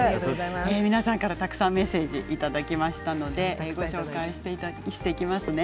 たくさんメッセージをいただきましたのでご紹介していきます。